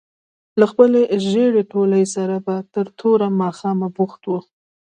له خپلې ژېړې تولۍ سره به تر توره ماښامه بوخت وو.